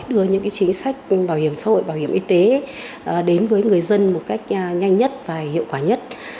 đưa những chính sách bảo hiểm xã hội bảo hiểm y tế đến với người dân một cách nhanh nhất và hiệu quả nhất